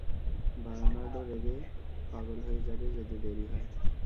Bernardo রেগে পাগল হয়ে যাবে, যদি দেরি হয়।